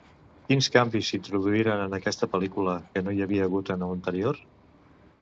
Quins canvis s'introduïren en aquesta pel·lícula que no hi havia hagut en l'anterior?